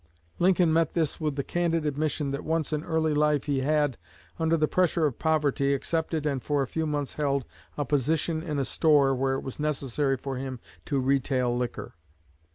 Lincoln met this with the candid admission that once in early life he had, under the pressure of poverty, accepted and for a few months held a position in a store where it was necessary for him to retail liquor.